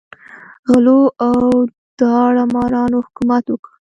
غلو او داړه مارانو حکومت وکړ.